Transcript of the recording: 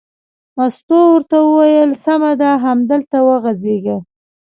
مستو ورته وویل: سمه ده همدلته وغځېږه.